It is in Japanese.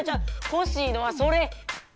ほしいのはそれ。